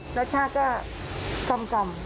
รสชาติก็กลม